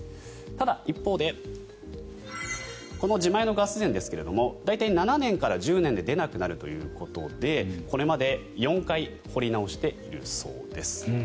ただ、一方でこの自前のガス田ですが大体７年から１０年で出なくなるということでこれまで４回掘り直しているそうです。